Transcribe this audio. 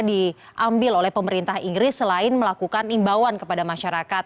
bagaimana yang sebenarnya diambil oleh pemerintah inggris selain melakukan imbauan kepada masyarakat